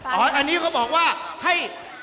อันนี้เขาบอกว่าให้